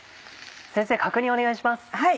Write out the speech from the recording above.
先生確認をお願いします。